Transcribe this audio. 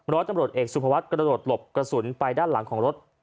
ร้อยตำรวจเอกสุภวัฒน์กระโดดหลบกระสุนไปด้านหลังของรถ